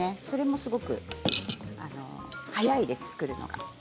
それもすごく作るのが早いです。